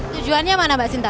tujuannya mana mbak sinta